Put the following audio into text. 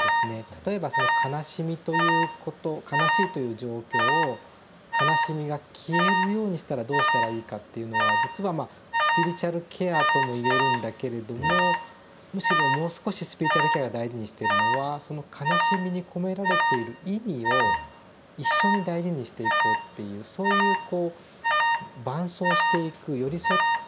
例えばその悲しみということ悲しいという状況を悲しみが消えるようにしたらどうしたらいいかっていうのは実はまあスピリチュアルケアともいえるんだけれどもむしろもう少しスピリチュアルケアが大事にしてるのはその悲しみに込められている意味を一緒に大事にしていこうっていうそういうこう伴走していく寄り添一緒にですね